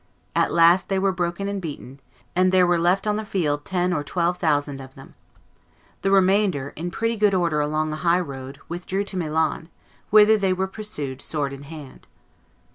At last they were broken and beaten, and there were left on the field ten or twelve thousand of them. The remainder, in pretty good order along a high road, withdrew to Milan, whither they were pursued sword in hand."